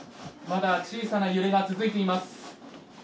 まだ小さな揺れが続いています。